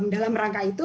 dalam rangka itu